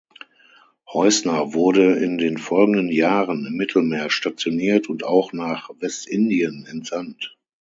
Heusner wurde in den folgenden Jahren im Mittelmeer stationiert und auch nach Westindien entsandt.